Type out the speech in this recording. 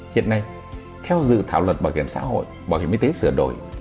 hiện nay theo dự thảo luật bảo hiểm xã hội bảo hiểm y tế sửa đổi